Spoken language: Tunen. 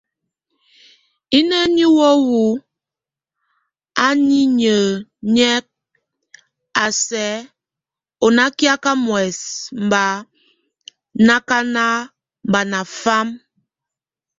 Ínenie wéu a níneniek, a sɛk o nákiaka muɛs bá nakanak, bá nafam.